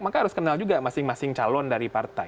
maka harus kenal juga masing masing calon dari partai